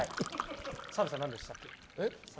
澤部さん、何でしたっけ？